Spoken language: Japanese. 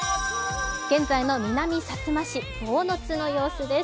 現在の南さつま市、坊津の様子です。